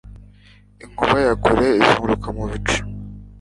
Inkuba ya kure izunguruka mu bicu